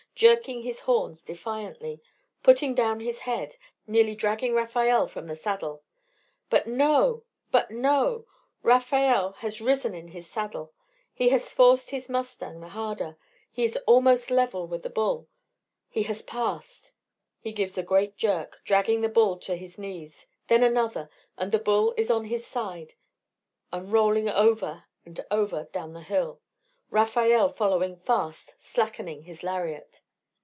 jerking his horns defiantly, putting down his head, nearly dragging Rafael from the saddle. But no! but no! Rafael has risen in his saddle, he has forced his mustang the harder, he is almost level with the bull he has passed! He gives a great jerk, dragging the bull to his knees, then another, and the bull is on his side and rolling over and over down the hill, Rafael following fast, slackening his lariat.